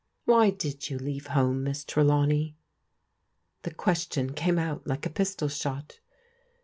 Why did you leave home, Miss Trelawney ?" The question came out like a pistol shot.